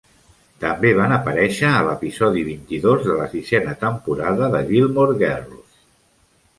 També van aparèixer a l'episodi vint-i-dos de la sisena temporada de "Gilmore Girls".